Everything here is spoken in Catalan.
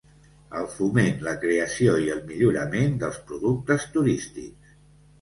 El foment, la creació i el millorament dels productes turístics.